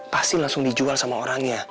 pasti langsung dijual sama orangnya